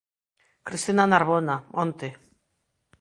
Cristina Narbona, onte.